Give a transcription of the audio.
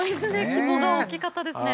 規模が大きかったですね。